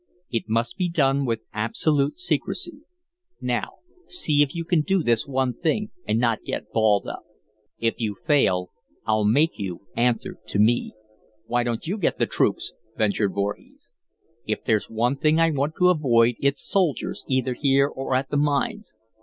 It must be done with absolute secrecy. Now, see if you can do this one thing and not get balled up. If you fail, I'll make you answer to me." "Why don't you get the troops?" ventured Voorhees. "If there's one thing I want to avoid, it's soldiers, either here or at the mines.